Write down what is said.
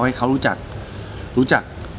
ให้เขารู้จัก